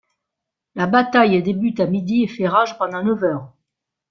La bataille débute à midi et fait rage pendant neuf heures.